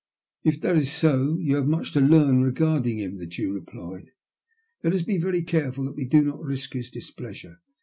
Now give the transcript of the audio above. ''If that is 80 you have much to learn regarding him," the Jew replied. " Let us be very careful that we do not risk his displeasure.